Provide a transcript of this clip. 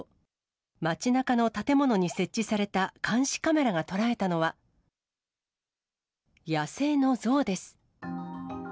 街なかの建物に設置された監視カメラが捉えたのは、野生のゾウです。